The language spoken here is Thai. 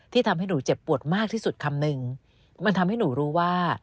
ทำให้หนูเจ็บปวดมากที่สุดคำนึงมันทำให้หนูรู้ว่า